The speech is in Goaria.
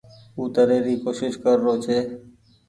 او تري ري ڪوشش ڪر رو ڇي۔